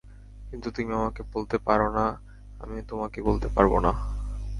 কিন্তু তুমি আমাকে বলতে পারো না, আমিও তোমাকে বলতে পারব না।